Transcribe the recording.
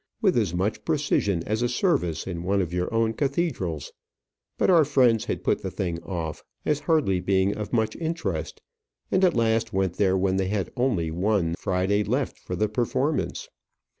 with as much precision as a service in one of your own cathedrals; but our friends had put the thing off, as hardly being of much interest, and at last went there when they had only one Friday left for the performance.